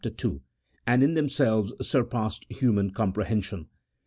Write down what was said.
EL, and in themselves surpassed human comprehension.